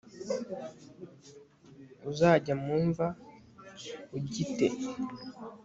uzajya mu mva ugi te